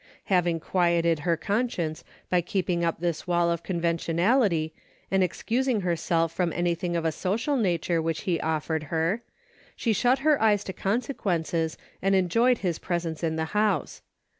Having quieted her conscience by keeping up this wall of con ventionality and excusing herself from any thing of a social nature which he offered her, she shut her eyes to consequences and enjoyed his presence in the house.